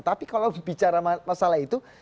tapi kalau bicara masalah itu